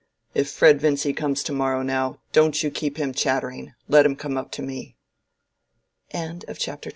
"If Fred Vincy comes to morrow, now, don't you keep him chattering: let him come up to me." CHAPTER XXVI.